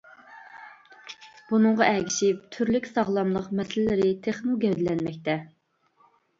بۇنىڭغا ئەگىشىپ تۈرلۈك ساغلاملىق مەسىلىلىرى تېخىمۇ گەۋدىلەنمەكتە.